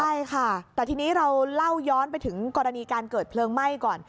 ใช่ค่ะแต่ทีนี้เราเล่าย้อนไปถึงกรณีการเกิดเพลิงไหม้ก่อน